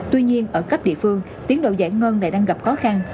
tuy nhiên ở cấp địa phương tiến độ giải ngân lại đang gặp khó khăn